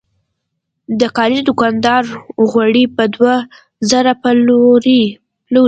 د کلي دوکاندار غوړي په دوه زره پلوري.